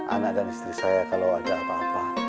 anak dan istri saya kalau ada apa apa